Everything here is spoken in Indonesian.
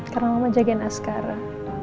karena mama jagain askara